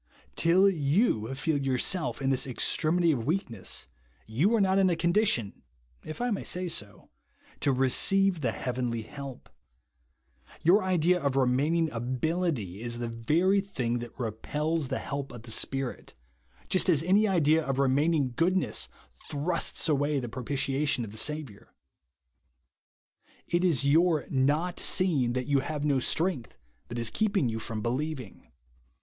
Till you feel yourself in this extremity of weakness, ycu are not in a condition (if I may say so) to receive the heavenly help. Your idea of remaining ability is the very THE WANT OF TOWER TO BELIEVE. 141 tiling that repels the help of the Spirit, just as any idea of remaining goodness thrusts away the propitiation of the Saviour. It is your not seeing that you have no strengilt that is keeping you from believing.